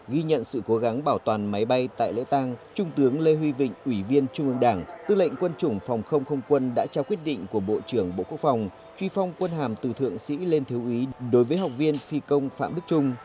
ghi nhận sự cố gắng bảo toàn máy bay tại lễ tàng trung tướng lê huy vịnh ủy viên trung ương đảng tư lệnh quân chủng phòng không không quân đã trao quyết định của bộ trưởng bộ quốc phòng truy phong quân hàm từ thượng sĩ lên thiếu ý đối với học viên phi công phạm đức trung